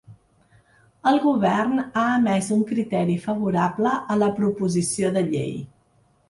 El govern ha emès un criteri favorable a la proposició de llei.